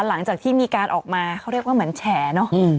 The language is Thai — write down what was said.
หลังจากที่มีการออกมาเขาเรียกว่าเหมือนแฉเนอะ